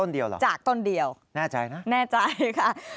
นี่จากต้นเดียวเหรอแน่ใจนะนี่จากต้นเดียว